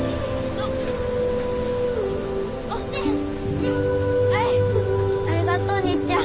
ありがと兄ちゃん。